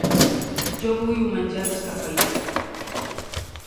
Jo vull un menjar descafeïnat.